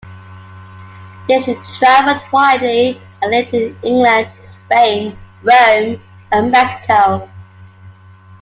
Disch traveled widely and lived in England, Spain, Rome, and Mexico.